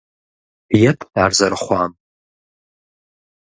Еплъ ар зэрыхъуам!